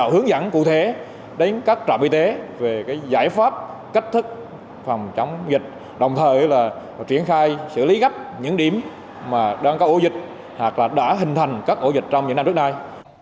hướng dẫn cụ thể đến các trạm y tế về giải pháp cách thức phòng chống dịch đồng thời là triển khai xử lý gấp những điểm mà đang có ổ dịch hoặc là đã hình thành các ổ dịch trong những năm trước đây